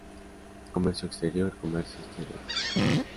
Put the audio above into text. Comercio Exterior: Comercio Exterior.